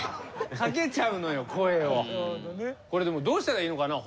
これでもどうしたらいいのかな？